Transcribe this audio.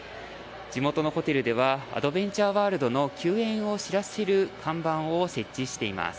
地元のホテルではアドベンチャーワールドの休園を知らせる看板を設置しています。